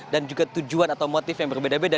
juga tujuan atau motif yang berbeda beda